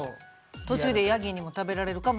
途中でヤギにも食べられるかもしれんし。